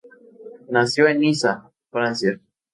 Nació en Niza, Francia.